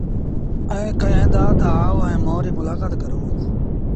ائيٚݩ ڪهين دآ تا آئو ائيٚݩ مݩهݩ ريٚ مولآڪآت ڪرو